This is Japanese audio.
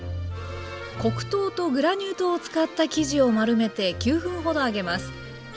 黒糖とグラニュー糖を使った生地を丸めて９分ほど揚げます。